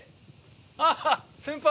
あっ先輩。